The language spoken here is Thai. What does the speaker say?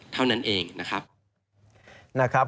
เท่านั้นเองนะครับ